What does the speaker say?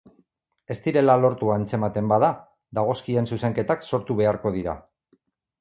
Ez direla lortu antzematen bada, dagozkien zuzenketak sortu beharko dira.